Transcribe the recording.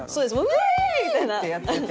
「ウェーイ」みたいな。ってやってて。